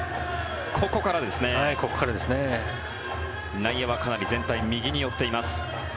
内野はかなり全体右に寄っています。